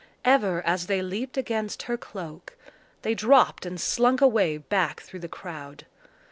Ever as they leaped against her cloak, they dropped and slunk away back through the crowd.